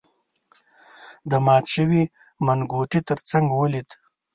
د مات شوی منګوټي تر څنګ ولید.